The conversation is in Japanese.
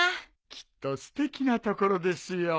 きっとすてきな所ですよ。